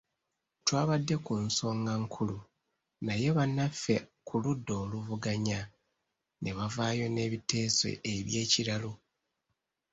Twabadde ku nsonga nkulu naye bannaffe ku ludda oluvuganya ne bavaayo n’ebiteeso eby’ekiralu .